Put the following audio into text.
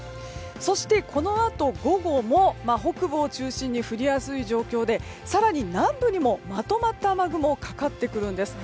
そして、このあと午後も北部を中心に降りやすい状況で更に南部にもまとまった雨雲がかかってくるんです。